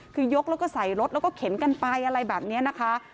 คือยกแล้วก็ใส่รถแล้วก็เข็นกันไปอะไรแบบนี้นะคะ